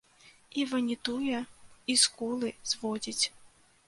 І ванітуе, і скулы зводзіць.